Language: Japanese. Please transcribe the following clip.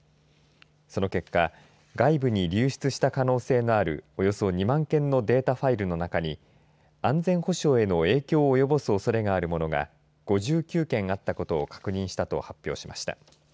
その結果外部に流出した可能性のあるおよそ２万件のデータファイルの中に安全保障への影響を及ぼすおそれがあるものが５９件あったことを確認したと発表しました。